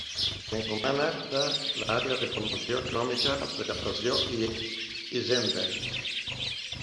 Té encomanada l'àrea de Promoció Econòmica, Recaptació i Hisenda.